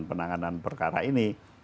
penanganan perkara ini